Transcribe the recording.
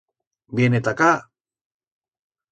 Viene ta acá.